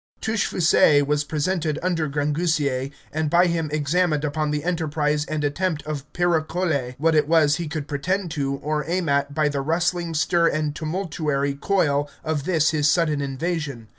Touchfaucet was presented unto Grangousier, and by him examined upon the enterprise and attempt of Picrochole, what it was he could pretend to, or aim at, by the rustling stir and tumultuary coil of this his sudden invasion.